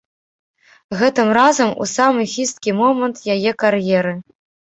Гэтым разам у самы хісткі момант яе кар'еры.